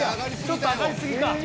ちょっと上がり過ぎか。